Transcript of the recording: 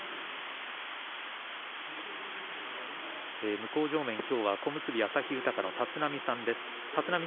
向正面きょうは小結旭豊の立浪さんです。